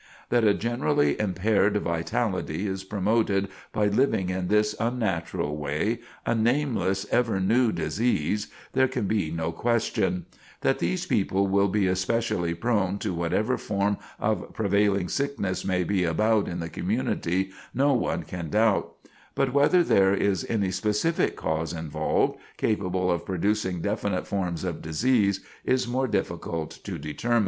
That a generally impaired vitality is promoted by living in this unnatural way, 'a nameless, ever new disease,' there can be no question; that these people will be especially prone to whatever form of prevailing sickness may be about in the community, no one can doubt; but whether there is any specific cause involved, capable of producing definite forms of disease, is more difficult to determine."